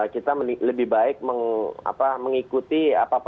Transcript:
kita lebih baik mengikuti